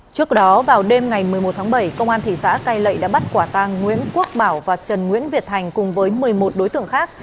trước đó vào đêm ngày một mươi một tháng bảy công an thị xã cai lệ đã bắt quả tang nguyễn quốc bảo và trần nguyễn việt thành cùng với một mươi một đối tượng khác